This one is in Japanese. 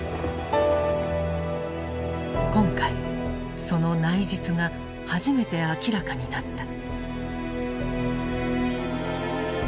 今回その内実が初めて明らかになった。